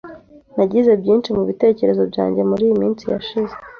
Nagize byinshi mubitekerezo byanjye muriyi minsi yashize.